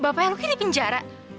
bapaknya lucky di penjara